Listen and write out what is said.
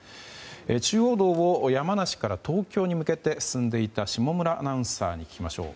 中央道を山梨から東京に向けて進んでいた下村アナウンサーに聞きましょう。